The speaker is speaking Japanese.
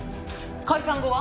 解散後は？